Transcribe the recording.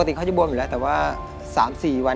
รายการต่อไปนี้เป็นรายการทั่วไปสามารถรับชมได้ทุกวัย